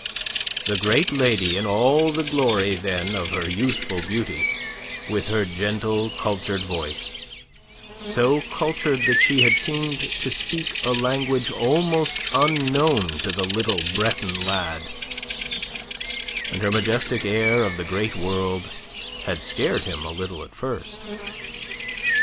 The great lady, in all the glory then of her youthful beauty, with her gentle, cultured voice so cultured that she had seemed to speak a language almost unknown to the little Breton lad and her majestic air of the great world, had scared him a little at first.